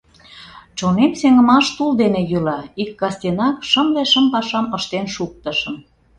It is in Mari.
Чонем сеҥымаш тул дене йӱла: ик кастенак шымле шым пашам ыштен шуктышым.